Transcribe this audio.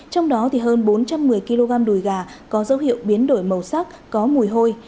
trong đó hơn bốn trăm một mươi kg đùi gà có dấu hiệu biến đổi màu sắc có mùi hôi